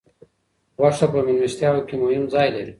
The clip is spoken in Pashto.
غوښه په میلمستیاوو کې مهم ځای لري.